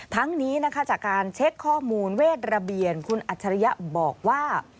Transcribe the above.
ทั้งนี้นะคะจากการเช็คข้อมูลเวทระเบียนคุณอัจฉริยะบอกว่า